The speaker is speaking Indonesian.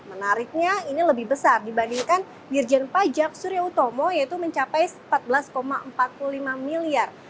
menariknya ini lebih besar dibandingkan dirjen pajak surya utomo yaitu mencapai rp empat belas empat puluh lima miliar